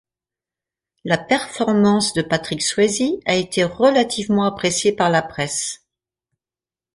La performance de Patrick Swayze a été relativement appréciée par la presse.